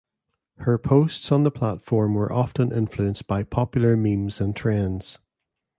Her posts on the platform were often influenced by popular memes and trends.